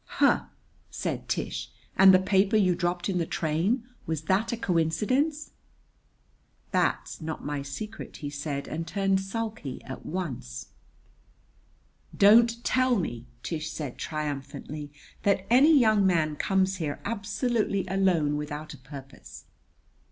"Huh!" said Tish. "And the paper you dropped in the train was that a coincidence?" "That's not my secret," he said, and turned sulky at once. "Don't tell me," Tish said triumphantly, "that any young man comes here absolutely alone without a purpose!"